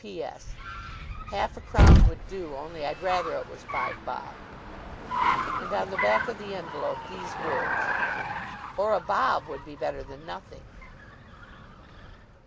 "P.P.S. Half a crown would do, only I'd rather it was five bob." And, on the back of the envelope, these words: "Or a bob would be better than nothing."